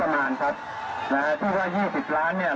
ผมเรียนด้วยความจัดกินนะครับว่า